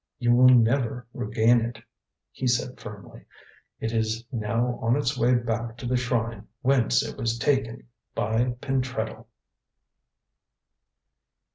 "You will never regain it," he said firmly. "It is now on its way back to the shrine whence it was taken by Pentreddle."